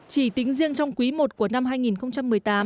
chỉ tính riêng trong quý i của năm hai nghìn một mươi tám